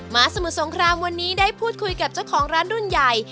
สมุทรสงครามวันนี้ได้พูดคุยกับเจ้าของร้านรุ่นใหญ่